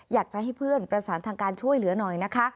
อยากจะให้เพื่อนประสานทางการช่วยเหลือหน่อยนะคะ